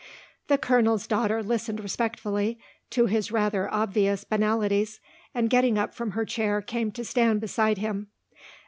The colonel's daughter listened respectfully to his rather obvious banalities and getting up from her chair came to stand beside him.